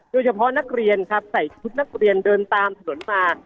โดยเฉพาะนักเรียนครับใส่ชุดนักเรียนเดินตามถนนมา